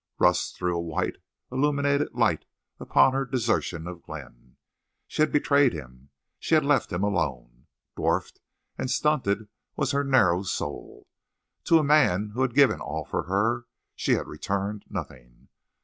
Rust threw a white, illuminating light upon her desertion of Glenn. She had betrayed him. She had left him alone. Dwarfed and stunted was her narrow soul! To a man who had given all for her she had returned nothing.